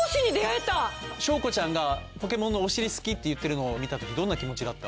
翔子ちゃんがポケモンのおしり好きって言ってるのを見たときどんな気持ちだった？